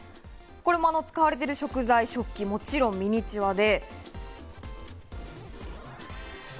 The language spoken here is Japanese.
これも使われている食材、食器ももちろんミニチュアで。